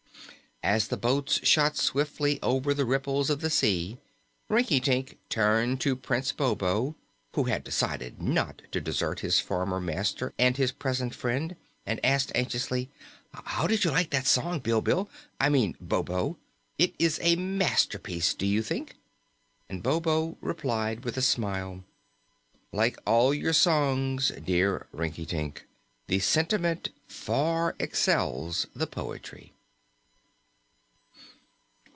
As the boats shot swiftly over the ripples of the sea Rinkitink turned to Prince Bobo, who had decided not to desert his former master and his present friend, and asked anxiously: "How did you like that song, Bilbil I mean Bobo? Is it a masterpiece, do you think?" And Bobo replied with a smile: "Like all your songs, dear Rinkitink, the sentiment far excels the poetry."